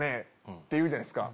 って言うじゃないですか。